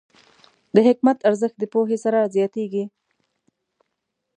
د حکمت ارزښت د پوهې سره زیاتېږي.